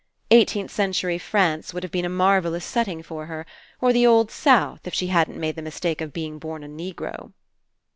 Eighteenth century France would have been a marvellous setting for her, or the old South if she hadn't made the mistake of being born a Negro."